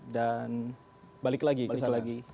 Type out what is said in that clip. dan balik lagi ke sana